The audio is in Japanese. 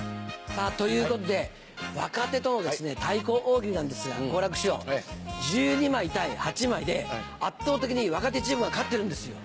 さぁということで若手との対抗大喜利なんですが好楽師匠１２枚対８枚で圧倒的に若手チームが勝ってるんですよ。